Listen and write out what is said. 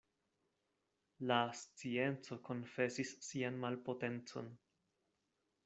La scienco konfesis sian malpotencon.